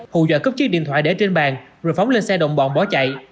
hù dò cướp chiếc điện thoại để trên bàn rồi phóng lên xe động bọn bỏ chạy